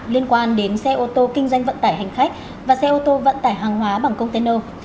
liên quan đến xe ô tô kinh doanh vận tải hành khách và xe ô tô vận tải hàng hóa bằng container